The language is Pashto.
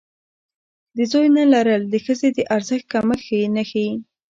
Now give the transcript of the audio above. د زوی نه لرل د ښځې د ارزښت کمښت نه ښيي.